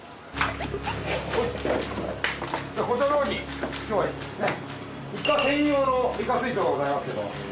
じゃあこちらの方に今日はねっイカ専用のイカ水槽がございますけど。